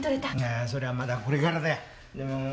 ああそれはまだこれからだよ。